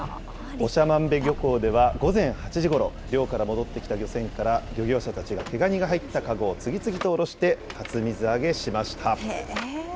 長万部漁港では午前８時ごろ、漁から戻ってきた漁船から漁業者たちが毛ガニが入った籠を次々と下ろして、初水揚げしました。